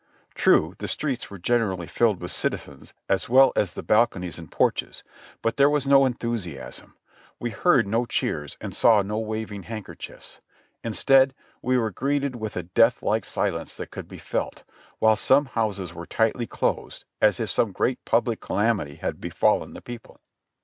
Tnie, the streets were generally filled with citizens, as v.ell as the balconies and porches ; but there was no enthusiasm ; we heard no cheers and saw no waving handkerchiefs ; instead we were greeted with a deathlike silence that could be felt, while some houses were tightly closed as if some great public calamity had befallen the people.